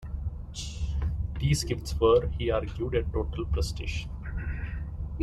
These gifts were, he argued, a total prestation.